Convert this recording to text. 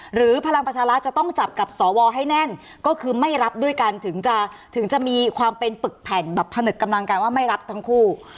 หรือพลังประชารัฐจะต้องจับกับสวให้แน่นก็คือไม่รับด้วยกันถึงจะถึงจะมีความเป็นปึกแผ่นแบบผนึกกำลังกันว่าไม่รับทั้งคู่